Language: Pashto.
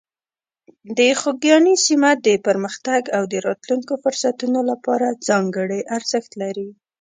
د خوږیاڼي سیمه د پرمختګ او د راتلونکو فرصتونو لپاره ځانګړې ارزښت لري.